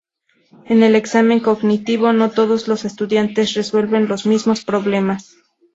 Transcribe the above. En el examen cognitivo, no todos los estudiantes resuelven los mismos problemas.